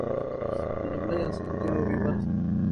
له لومړیو اسانتیاوو بې برخې دي.